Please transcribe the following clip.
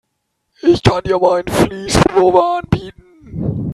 Ich kann dir meinen Fleece-Pullover anbieten.